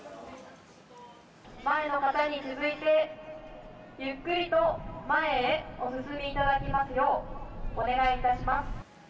前の方に続いて、ゆっくりと前へお進みいただきますよう、お願いいたします。